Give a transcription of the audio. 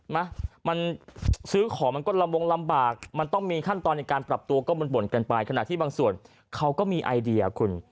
ไหมมันซื้อของมันก็ลำวงลำบากมันต้องมีขั้นตอนในการปรับตัวก็บ่นกันไปขณะที่บางส่วนเขาก็มีไอเดียคุณ